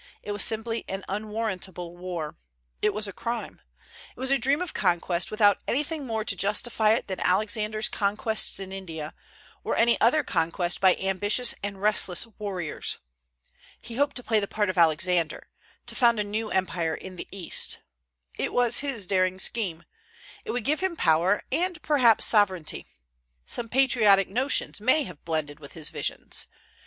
It was simply an unwarrantable war: it was a crime; it was a dream of conquest, without anything more to justify it than Alexander's conquests in India, or any other conquest by ambitious and restless warriors. He hoped to play the part of Alexander, to found a new empire in the East. It was his darling scheme. It would give him power, and perhaps sovereignty. Some patriotic notions may have blended with his visions.